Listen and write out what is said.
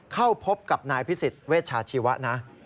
เข้าพบกับนายพิสิทธิเวชาชีวะนะ